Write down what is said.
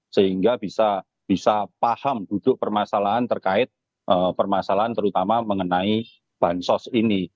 sehingga bisa paham duduk permasalahan terkait permasalahan terutama mengenai bansos ini